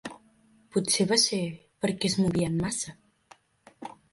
Potser va ser perquè es movien massa.